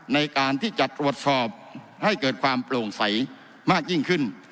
ในการที่จะตรวจสอบให้เกิดความโปร่งใสมากยิ่งขึ้น